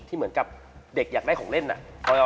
เหมือนกับเด็กอยากได้ของเล่นอะ